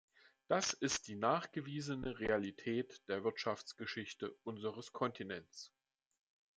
Das ist die nachgewiesene Realität der Wirtschaftsgeschichte unseres Kontinents.